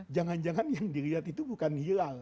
jangan jangan yang dilihat itu bukan hilal